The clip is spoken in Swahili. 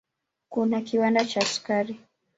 Kuna kiwanda cha sukari.